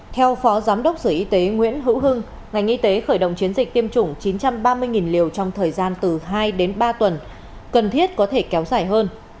theo phó giám đốc sở y tế nguyễn hữu hưng ngành y tế khởi động chiến dịch tiêm chủng chín trăm ba mươi liều trong thời gian từ hai đến ba tuần cần thiết có thể kéo dài hơn